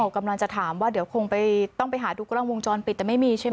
กำลังจะถามว่าเดี๋ยวคงต้องไปหาดูกล้องวงจรปิดแต่ไม่มีใช่ไหม